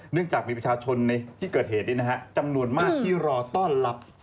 จากมีประชาชนในที่เกิดเหตุจำนวนมากที่รอต้อนรับ